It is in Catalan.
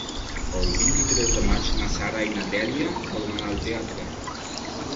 El vint-i-tres de maig na Sara i na Dèlia volen anar al teatre.